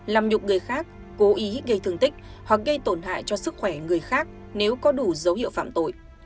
làm nhục người khác cố ý gây thương tích hoặc gây tổn hại cho sức khỏe người khác nếu có đủ dấu hiệu phạm tội